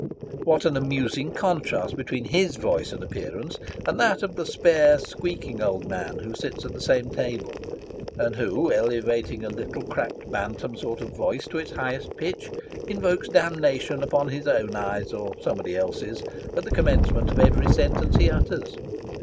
What an amusing contrast between his voice and appearance, and that of the spare, squeaking old man, who sits at the same table, and who, elevating a little cracked bantam sort of voice to its highest pitch, invokes damnation upon his own eyes or somebody else's at the com mencement of every sentence he utters.